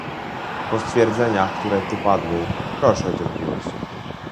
Po stwierdzeniach, które tu padły, proszę o cierpliwość